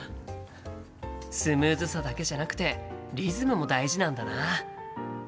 スムーズさだけじゃなくてリズムも大事なんだな。